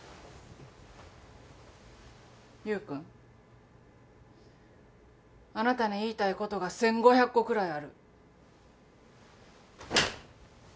優君あなたに言いたいことが１，５００個くらいある。